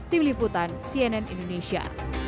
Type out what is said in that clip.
tim liputan cnn indonesia